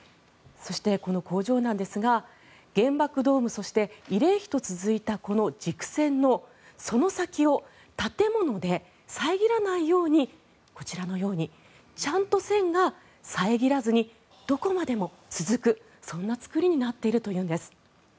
そして、この工場なんですが原爆ドームそして慰霊碑と続いたこの軸線のその先を建物で遮らないようにこちらのようにちゃんと線が遮らずにどこまでも続くそんな造りになっているというんです。